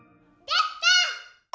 できた！